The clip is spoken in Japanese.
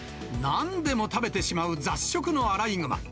なんでも食べてしまう雑食のアライグマ。